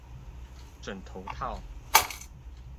枕頭套